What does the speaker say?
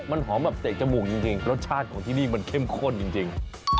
มันหอมแบบเตะจมูกจริงรสชาติของที่นี่มันเข้มข้นจริง